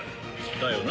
だよな？